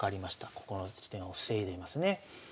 ここの地点を防いでますね。